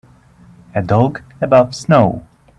A dog above snow.